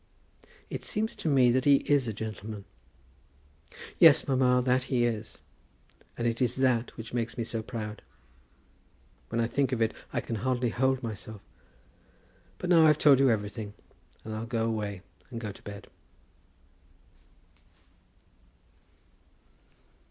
"It seems to me that he is a gentleman." "Yes, mamma, that he is; and it is that which makes me so proud. When I think of it, I can hardly hold myself. But now I've told you everything, and I'll go away, and go to bed."